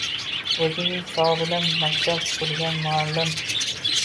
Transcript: O‘zining hisobidan maktab qurgan muallim